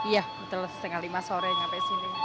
iya betul setengah lima sore sampai sini